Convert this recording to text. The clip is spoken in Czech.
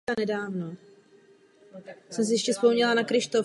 Válku zakončil v hodnosti majora.